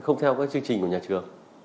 không theo cái chương trình của nhà trường